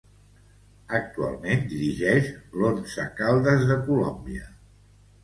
Actualment dirigix l'Once Caldas de Colòmbia.